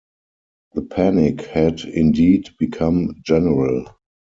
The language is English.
The panic had indeed become general.